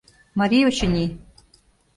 Марий, очыни...